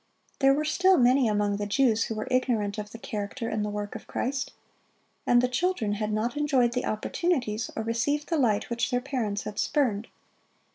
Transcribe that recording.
There were still many among the Jews who were ignorant of the character and the work of Christ. And the children had not enjoyed the opportunities or received the light which their parents had spurned.